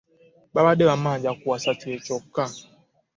Babadde bammanja kuwasa kye kyokka.